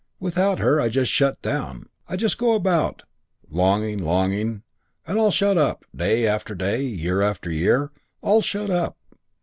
Without her I just shut down I just go about longing, longing, and all shut up, day after day, year after year all shut up.